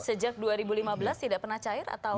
sejak dua ribu lima belas tidak pernah cair atau